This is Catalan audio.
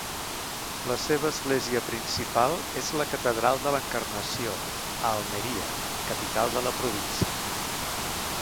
La seva església principal és la catedral de l'Encarnació, a Almeria, capital de la província.